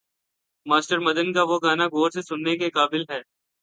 Master Madan کا وہ گانا غور سے سننے کے قابل ہے۔